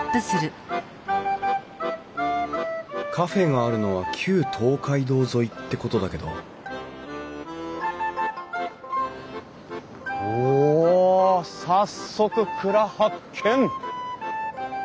カフェがあるのは旧東海道沿いってことだけどお早速蔵発見。